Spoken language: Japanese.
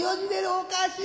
おかしい。